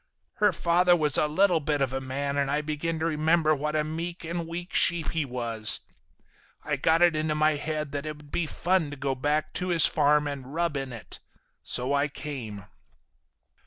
Her father was a little bit of a man and I began to remember what a meek and weak sheep he was. I got it into my head that it'd be fun to go back to his farm and rub it in. So I came.